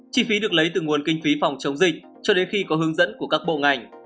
chi phí được lấy từ nguồn kinh phí phòng chống dịch cho đến khi có hướng dẫn của các bộ ngành